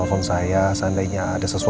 hai saya sedang menunggu